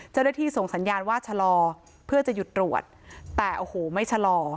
เจ้าหน้าที่ส่งสัญญาณว่าชะลอเพื่อจะหยุดตรวจแต่โอ้โหไม่ชะลอ